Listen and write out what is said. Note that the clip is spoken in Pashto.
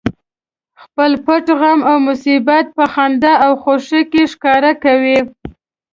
خپل پټ غم او مصیبت په خندا او خوښۍ کې ښکاره کوي